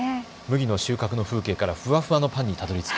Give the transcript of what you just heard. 麦の収穫の風景から、ふわふわのパンにたどりつく。